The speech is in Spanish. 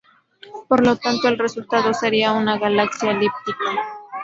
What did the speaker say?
Por lo tanto, el resultado sería una galaxia elíptica.